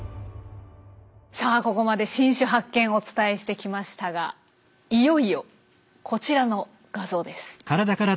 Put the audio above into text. さあここまで新種発見お伝えしてきましたがいよいよこちらの画像です。